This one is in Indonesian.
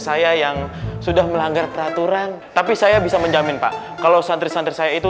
saya yang sudah melanggar peraturan tapi saya bisa menjamin pak kalau santri santri saya itu